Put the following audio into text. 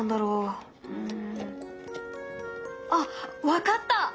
うん。あっ分かった！